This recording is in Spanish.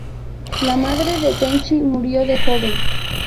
La madre de Tenchi murió de joven.